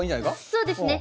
そうですね。